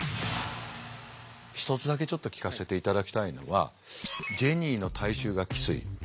一つだけちょっと聞かせていただきたいのはジェニーの体臭がきつい。